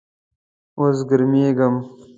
اوس ګرمیږم